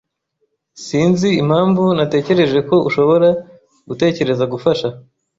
[S] Sinzi impamvu natekereje ko ushobora gutekereza gufasha.